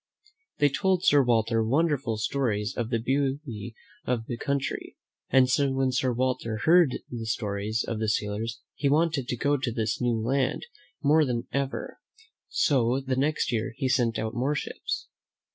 They told Sir Walter wonderful stories of the beauty of the country, and when Sir Walter heard the stories of the sailors, he wanted to go to this new land more than ever; so the next year he sent out more ships.